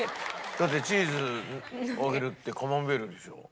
だってチーズ揚げるってカマンベールでしょ？